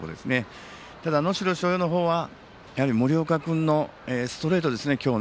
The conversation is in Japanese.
ただ、能代松陽の方は森岡君の今日のストレートですよね。